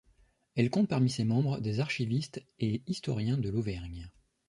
Elle compte parmi ses membres des archivistes et historiens de l'Auvergne.